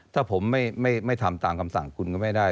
ถ้าผมไม่ทำตามคำสั่งคุณก็ไม่ได้